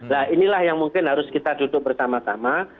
nah inilah yang mungkin harus kita duduk bersama sama